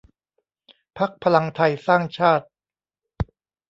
พรรคพลังไทสร้างชาติ